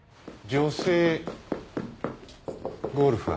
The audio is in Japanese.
女性ゴルファー。